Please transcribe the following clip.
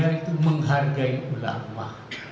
dia itu menghargai ulama